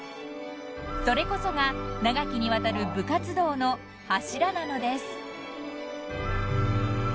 ［それこそが長きにわたる部活動の柱なのです］